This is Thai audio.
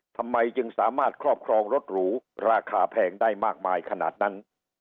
ทำไมจึงสามารถครอบครองรถหรูราคาแพงได้มากมายขนาดนั้น